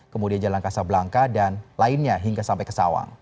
kemudian jalan kasab langka dan lainnya hingga sampai ke cawang